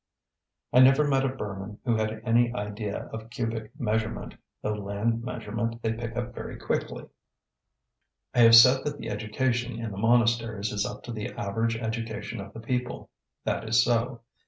I never met a Burman who had any idea of cubic measurement, though land measurement they pick up very quickly. I have said that the education in the monasteries is up to the average education of the people. That is so.